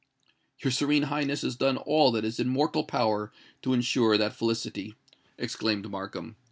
"Your Serene Highness has done all that is in mortal power to ensure that felicity," exclaimed Markham.